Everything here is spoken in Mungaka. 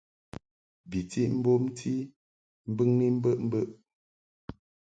Bi ti bomti mbɨŋni mbəʼmbəʼ.